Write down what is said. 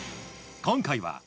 今回は。